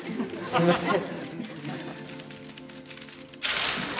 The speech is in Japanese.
すいません。